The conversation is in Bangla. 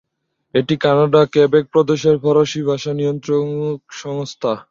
এটি কানাডার কেবেক প্রদেশের ফরাসি ভাষা নিয়ন্ত্রক সংস্থা।